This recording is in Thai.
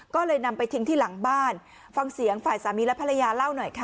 ก็เลยนำไปทิ้งที่หลังบ้านฟังเสียงฝ่ายสามีและภรรยาเล่าหน่อยค่ะ